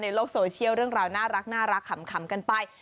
ในโลกโซเชียลเรื่องราวน่ารักขำกันไป